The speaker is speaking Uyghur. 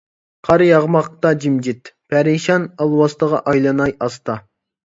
قار ياغماقتا جىمجىت، پەرىشان، ئالۋاستىغا ئايلىناي ئاستا.